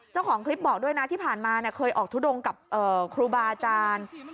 เจ้าของคลิปบอกด้วยนะที่ผ่านมาเคยออกทุดงกับครูบาอาจารย์